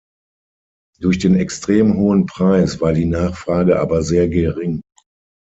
Durch den extrem hohen Preis war die Nachfrage aber sehr gering.